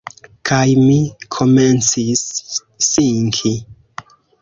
Kaj mi komencis sinki.